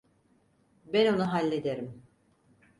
Ben onu hallederim.